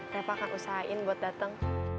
reva akan usahain buat dateng